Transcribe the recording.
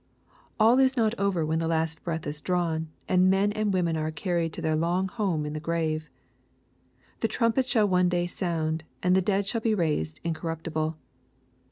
All is not over when the last breath is drawny and men and women are carried to their long home ia the grave. The trumpet shall one day sound, and the dead shall be raised incorruptible.